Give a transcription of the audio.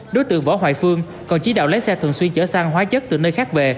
đối tượng võ hoài phương còn chỉ đạo lái xe thường xuyên chở xăng hóa chất từ nơi khác về